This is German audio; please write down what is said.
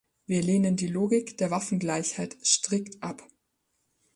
Wir lehnen die Logik der Waffengleichheit strikt ab.